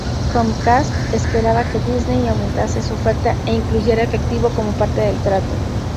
Comcast esperaba que Disney aumentase su oferta e incluyera efectivo como parte del trato.